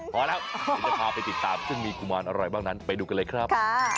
พอแล้วจะพาไปติดตามซึ่งมีกุมานอร่อยมากนั้นไปดูกันเลยครับ